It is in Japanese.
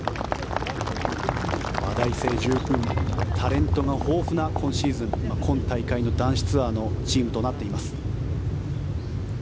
話題性十分、タレントが豊富な今シーズン今大会の男子ツアーのチームとなっています。